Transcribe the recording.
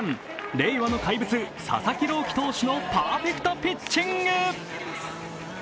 令和の怪物・佐々木朗希投手のパーフェクトピッチング。